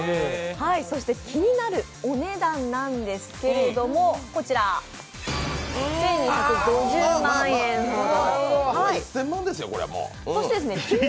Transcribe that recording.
そして気になるお値段なんですけれども１２５０万円ほど。